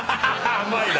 甘いな！